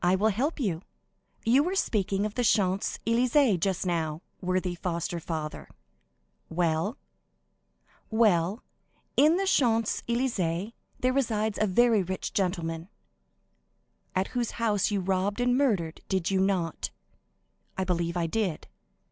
"I will help you. You were speaking of the Champs Élysées just now, worthy foster father." "Well?" "Well, in the Champs Élysées there resides a very rich gentleman." "At whose house you robbed and murdered, did you not?" "I believe I did."